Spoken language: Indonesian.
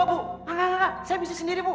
enggak enggak enggak saya bisa sendiri bu